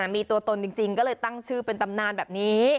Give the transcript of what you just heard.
มีตัวตนจริงก็เลยตั้งชื่อเป็นตำนานแบบนี้